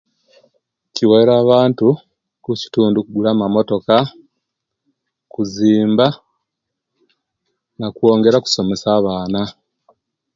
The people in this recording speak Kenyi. Kiwaire abantu kucitundu okugula amamotoka kizimba nakwongera okusomesa abaana